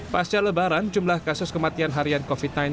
pasca lebaran jumlah kasus kematian harian covid sembilan belas